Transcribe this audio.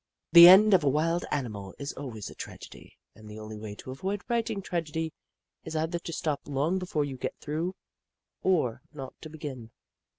The end of a wild animal is always a tragedy and the only way to avoid writing tragedy is either to stop long before you get through, or not to begin.